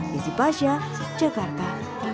desi pasha jakarta